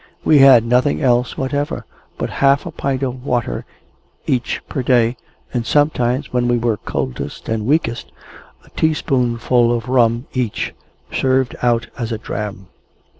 We had nothing else whatever, but half a pint of water each per day, and sometimes, when we were coldest and weakest, a teaspoonful of rum each, served out as a dram.